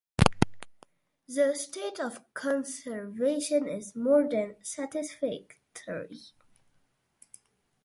The state of conservation is more than satisfactory.